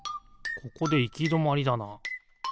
ここでいきどまりだな。